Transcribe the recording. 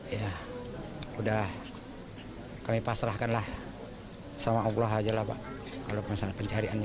ya udah kami pasrahkanlah sama allah aja lah pak kalau masalah pencariannya